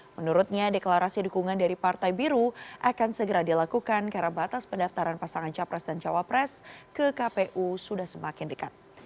menurutnya deklarasi dukungan dari partai biru akan segera dilakukan karena batas pendaftaran pasangan capres dan cawapres ke kpu sudah semakin dekat